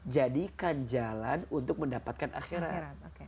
jadikan jalan untuk mendapatkan akhirat